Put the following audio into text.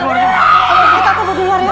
kita coba keluar ya